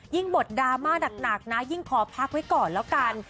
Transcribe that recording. บทดราม่าหนักนะยิ่งขอพักไว้ก่อนแล้วกัน